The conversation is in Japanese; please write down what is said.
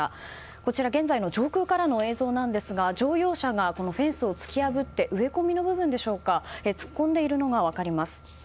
こちら現在の上空からの映像なんですが乗用車がフェンスを突き破って植え込みの部分に突っ込んでいるのが分かります。